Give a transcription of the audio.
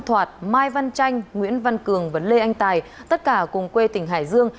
thoạt mai văn tranh nguyễn văn cường và lê anh tài tất cả cùng quê tỉnh hải dương